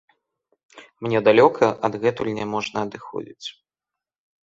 Мне далёка адгэтуль няможна адыходзіць.